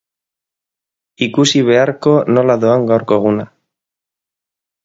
Ikusi beharko nola doan gaurko eguna.